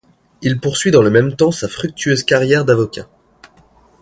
Il poursuit dans le même temps sa fructueuse carrière d'avocat.